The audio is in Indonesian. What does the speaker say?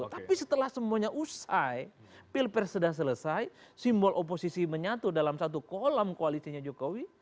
tapi setelah semuanya usai pilpres sudah selesai simbol oposisi menyatu dalam satu kolam koalisinya jokowi